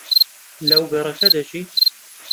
لەو گەڕەکە دەژی.